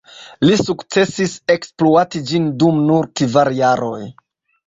Li sukcesis ekspluati ĝin dum nur kvar jaroj.